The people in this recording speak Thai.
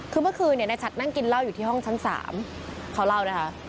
คือเมื่อคืนในฉัดนั่งกินเหล้าอยู่ที่ห้องชั้น๓เขาเล่านะคะ